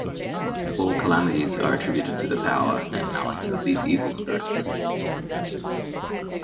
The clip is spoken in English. All calamities are attributed to the power and malice of these evil spirits.